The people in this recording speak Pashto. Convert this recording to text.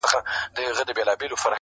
زه هم ځان سره یو څه دلیل لرمه,